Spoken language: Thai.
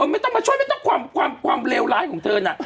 ไม่ต้องมาช่วยไม่ต้องความเลวร้ายของเธอน่ะ